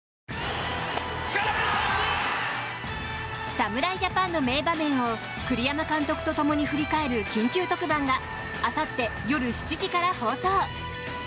侍ジャパンの名場面を栗山監督と共に振り返る緊急特番があさって夜７時から放送。